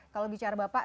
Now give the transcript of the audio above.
kalau bicara bapak